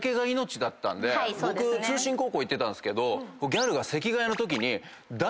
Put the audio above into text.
僕通信高校行ってたんすけど。